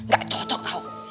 gak cocok kau